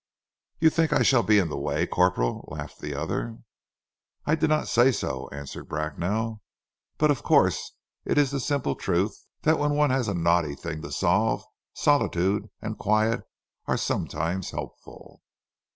"You think I shall be in the way, Corporal?" laughed the other. "I did not say so," answered Bracknell, "though of course it is the simple truth that when one has a knotty thing to solve, solitude and quiet are sometimes helpful."